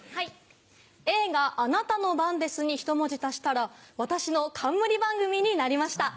映画『あなたの番です』にひと文字足したら私の冠番組になりました。